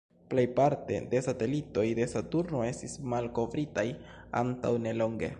Plejparte de satelitoj de Saturno estis malkovritaj antaŭ nelonge.